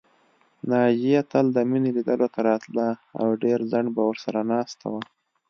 ناجیه تل د مينې لیدلو ته راتله او ډېر ځنډه به ورسره ناسته وه